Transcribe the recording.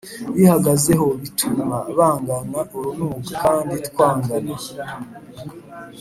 Bihagazeho bituma bangana urunuka kandi twangana